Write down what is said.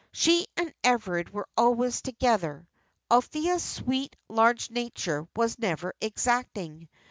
She and Everard were always together. Althea's sweet, large nature was never exacting.